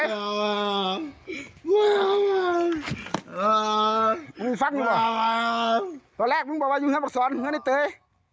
ว่าตอนแรกจะมองว่าอยู่ด้วย